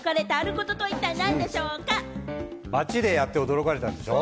街でやって驚かれたことでしょ？